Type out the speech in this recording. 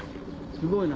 すごいな！